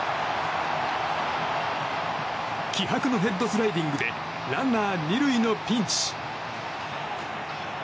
気迫のヘッドスライディングでランナー２塁のピンチ。